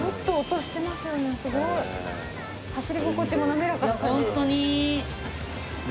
走り心地も滑らかな感じ。